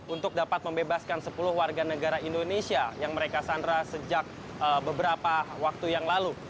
untuk dapat membebaskan sepuluh warga negara indonesia yang mereka sandra sejak beberapa waktu yang lalu